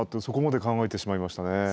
そこまで考えてしまいましたね。